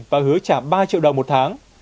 và hứa trả ba triệu đồng một tháng